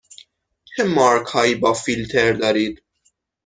چه مارک هایی با فیلتر دارید؟